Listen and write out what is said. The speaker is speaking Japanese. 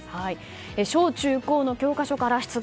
小中高教科書から出題